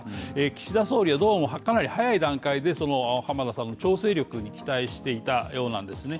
岸田総理はどうも、早い段階で浜田さんの調整力に期待していたようなんですね。